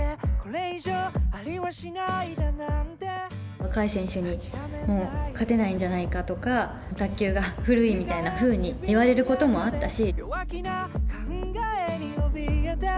若い選手にもう勝てないんじゃないかとか、卓球が古いみたいなふうに言われることもあったし。